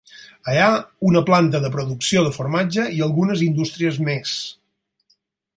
Hi ha una planta de producció de formatge i algunes indústries més.